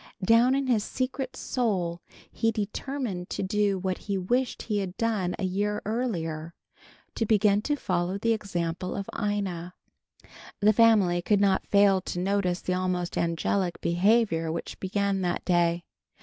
Down in his secret soul he determined to do what he wished he had done a year earlier, to begin to follow the example of Ina. The family could not fail to notice the almost angelic behavior which began that day.